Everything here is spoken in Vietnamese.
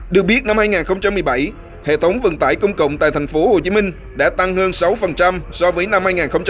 được biết năm hai nghìn một mươi bảy hệ thống vận tải công cộng tại thành phố hồ chí minh đã tăng hơn sáu so với năm hai nghìn một mươi sáu